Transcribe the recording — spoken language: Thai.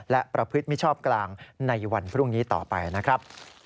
และประพฤติมิชอบกลางในวันพรุ่งนี้ต่อไปนะครับ